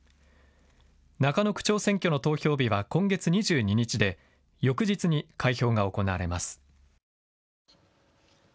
中野区長選挙の投票日は今月２２日で翌日に開票が行われます。